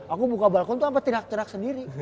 aku buka balkon tuh sampe tirak tirak sendiri